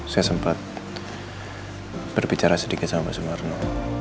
saya sempat berbicara sedikit sama sumarno